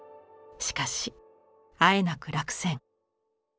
しかしあえなく落選。